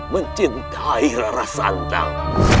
mencintai rara santang